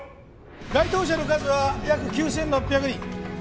該当者の数は約９６００人。